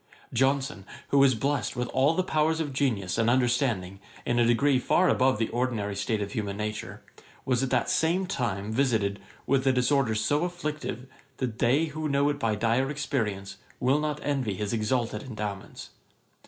Johnson, who was blest with all the powers of genius and understanding in a degree far above the ordinary state of human nature, was at the same time visited with a disorder so afflictive, that they who know it by dire experience, will not envy his exalted endowments.